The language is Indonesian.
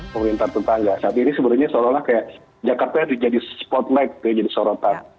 pemerintah tetangga saat ini sebenarnya seolah olah kayak jakarta itu jadi spotlight jadi sorotan